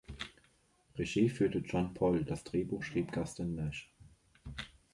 Regie führte Jon Poll, das Drehbuch schrieb Gustin Nash.